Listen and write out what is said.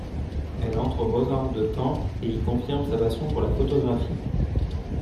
Elle entre aux Beaux-Arts de Caen et y confirme sa passion pour la photographie.